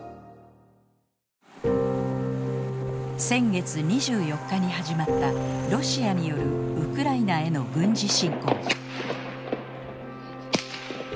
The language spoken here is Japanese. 先月２４日に始まったロシアによるウクライナへの軍事侵攻。